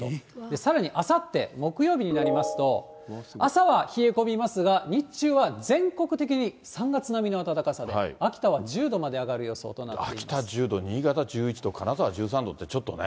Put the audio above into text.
さらにあさって木曜日になりますと、朝は冷え込みますが、日中は全国的に３月並みの暖かさで、秋田は１０度まで上がる予想となっていま秋田１０度、新潟１１度、金沢１３度って、ちょっとね。